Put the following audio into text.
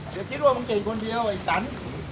เดี๋ยวคิดว่ามันเก่งคนเดียวไอ้สัน